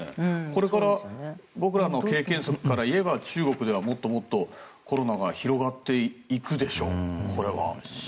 これから僕らの経験則から言えば中国ではもっともっとコロナが広がっていくでしょこれは。